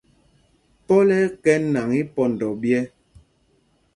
Pɔl ɛ́ ɛ́ kɛ nǎŋ ípɔndɔ ɓyɛ̄.